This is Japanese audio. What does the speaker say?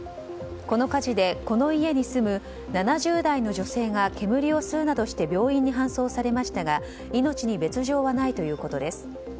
この火事で、この家に住む７０代の女性が煙を吸うなどして病院に搬送されましたが命に別条はないということです。